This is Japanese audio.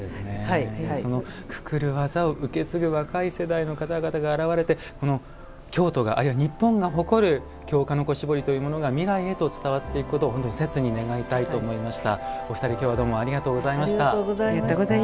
そのくくる技を受け継ぐ若い方が現れて、京都が、あるいは日本が誇る京鹿の子絞りというものが未来へと伝わっていくことを切に願いたいと思いました。